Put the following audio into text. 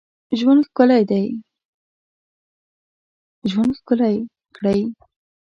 ژوند ښکلی کړی.